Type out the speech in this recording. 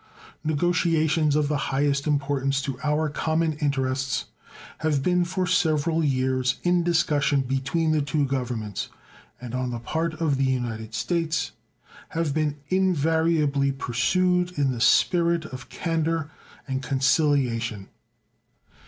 Negotiations of the highest importance to our common interests have been for several years in discussion between the two Governments, and on the part of the United States have been invariably pursued in the spirit of candor and conciliation.